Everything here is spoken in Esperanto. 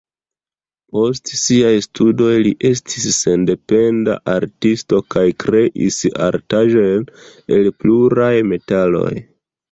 Post siaj studoj li estis sendependa artisto kaj kreis artaĵojn el pluraj metaloj.